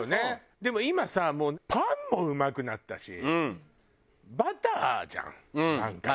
でも今さもうパンもうまくなったしバターじゃんなんか今。